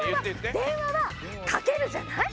電話はかけるじゃない？